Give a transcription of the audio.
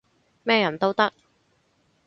咩人都得